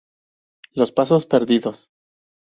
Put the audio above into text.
Los pasos perdidos.